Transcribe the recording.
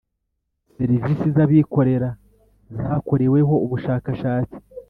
Serivisi z abikorera zakoreweho ubushakashatsi